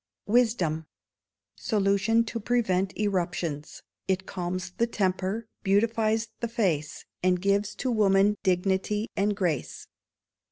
Wisdom Solution to prevent Eruptions. It calms the temper, beautifies the face, And gives to woman dignity and grace.